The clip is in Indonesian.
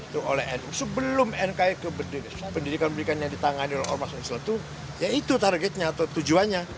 itu oleh nu sebelum nki ke pendidikan pendidikan yang ditangani oleh ormas islam itu ya itu targetnya atau tujuannya